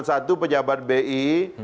satu pejabat bi